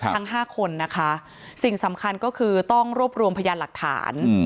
ทั้ง๕คนนะคะสิ่งสำคัญก็คือต้องรวบรวมพยานหลักฐาน